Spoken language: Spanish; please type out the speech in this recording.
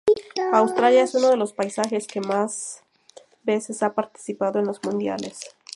Australia es uno de los países que más veces ha participado en los mundiales.